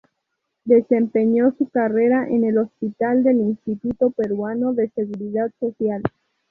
Desempeñó su carrera en el Hospital del Instituto Peruano de Seguridad Social.